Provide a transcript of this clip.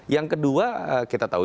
yang kedua kita tahu